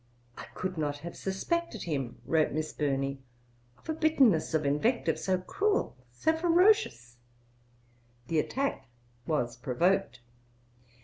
'I could not have suspected him,' wrote Miss Burney, 'of a bitterness of invective so cruel, so ferocious.' Mme. D'Arblay's Diary, iv. 185. The attack was provoked.